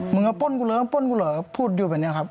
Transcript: มึงก็ป้นกูเหรอป้นกูเหรอพูดอยู่แบบนี้ครับ